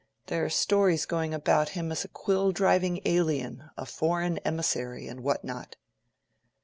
There are stories going about him as a quill driving alien, a foreign emissary, and what not."